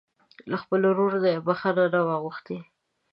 له خپل ورور نه يې بښته نه وي غوښتې.